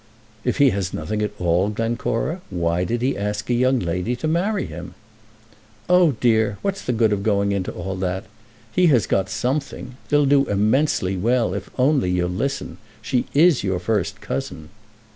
"If he has nothing at all, Glencora, why did he ask a young lady to marry him?" "Oh, dear; what's the good of going into all that? He has got something. They'll do immensely well, if you'll only listen. She is your first cousin."